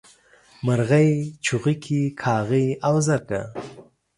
مرغۍ، چوغکي کاغۍ او زرکه